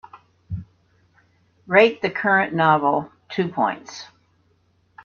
Rate the current novel two points